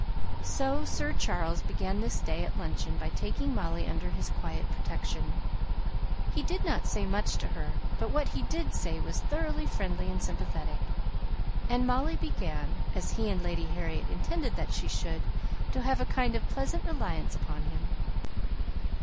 So Sir Charles began this day at luncheon by taking Molly under his quiet protection. He did not say much to her; but what he did say was thoroughly friendly and sympathetic; and Molly began, as he and Lady Harriet intended that she should, to have a kind of pleasant reliance upon him.